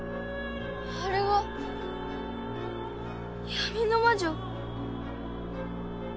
あれは闇の魔女。